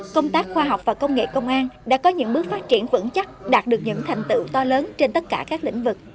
công tác khoa học và công nghệ công an đã có những bước phát triển vững chắc đạt được những thành tựu to lớn trên tất cả các lĩnh vực